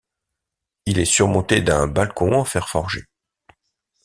Il est surmonté d'un balcon en fer forgé.